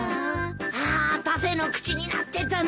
ああパフェの口になってたのに。